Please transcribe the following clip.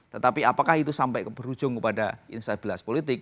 tetapi apakah itu sampai berujung kepada instabilitas politik